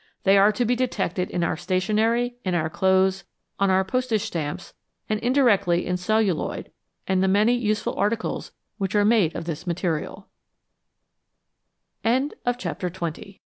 They are to be detected in our stationery, in our clothes, on our postage stamps, and indirectly in celluloid and the many useful articles which are made of this mater